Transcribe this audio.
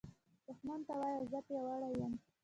دښمن ته وایه “زه پیاوړی یم”